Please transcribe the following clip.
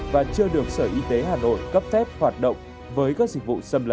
và chưa được sở y tế hà nội cấp phép hoạt động với các dịch vụ xâm lấn